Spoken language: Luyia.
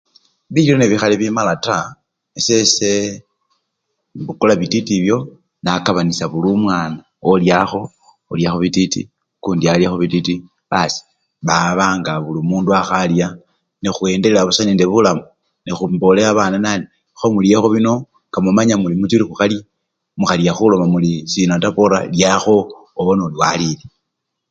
Bilyo nebikhali bimala taa, esese embukula bititi ebyo nakabanisya buli omwana, olyakho bititi okundi walyakho bititi basi babanga bulimundu khalya nekhuyendelea busa nebulamu nekh! mbolela babana nandi khemulyekho bino nemumanya muli muchuli khukhalye, mukhalya khuoma mulisina taa pola lyakho obone ori walile.